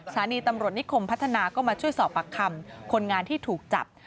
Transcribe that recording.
สถานีตำรวจนิคมพัฒนาก็มาช่วยสอบปากคำคนงานที่ถูกจับ